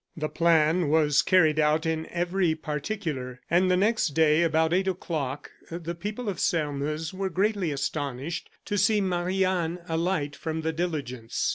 The plan was carried out in every particular; and the next day, about eight o'clock, the people of Sairmeuse were greatly astonished to see Marie Anne alight from the diligence.